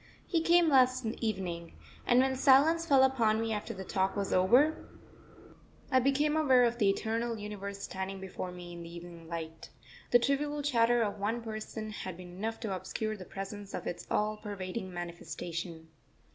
He came last evening; and when silence fell upon me after the talk was over, I became aware of the eternal universe standing before me in the evening light. The trivial chatter of one person had been enough to obscure the presence of its all pervading manifestation.